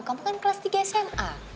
kamu kan kelas tiga sma